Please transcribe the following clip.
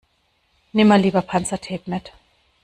Nimm mal lieber Panzertape mit.